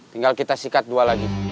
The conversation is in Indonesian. tinggal kita sikat dua lagi